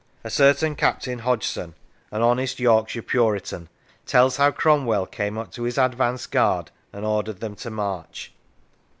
A certain Captain Hodgson, an honest Yorkshire Puritan, tells how Cromwell came up to his advance guard and ordered them to march.